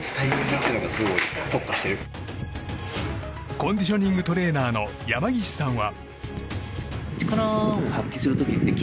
コンディショニングトレーナーの山岸さんは。